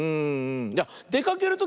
いやでかけるときはさ